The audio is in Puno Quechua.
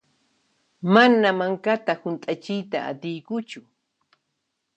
Mana mankata hunt'achiyta atiykuchu.